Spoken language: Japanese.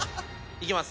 いきます。